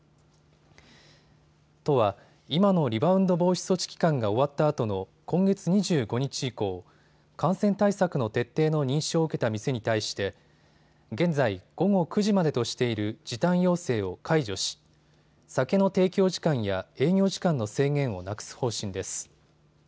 都は今のリバウンド防止措置期間が終わったあとの今月２５日以降、感染対策の徹底の認証を受けた店に対して現在、午後９時までとしている時短要請を解除し酒の提供時間や営業時間の制限をなくす方針です。